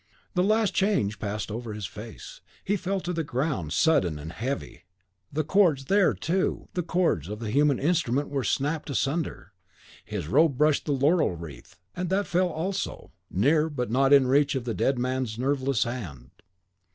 The last change passed over his face. He fell to the ground, sudden and heavy. The chords THERE, too, the chords of the human instrument were snapped asunder. As he fell, his robe brushed the laurel wreath, and that fell also, near but not in reach of the dead man's nerveless hand.